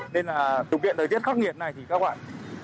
nên là điều kiện thời tiết khắc nghiệt này thì các bạn